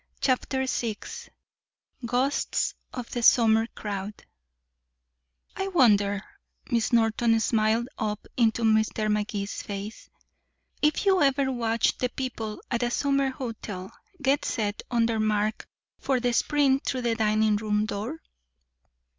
CHAPTER VI GHOSTS OF THE SUMMER CROWD "I wonder," Miss Norton smiled up into Mr. Magee's face, "if you ever watched the people at a summer hotel get set on their mark for the sprint through the dining room door?"